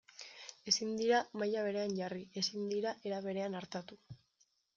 Ezin dira maila berean jarri, ezin dira era berean artatu.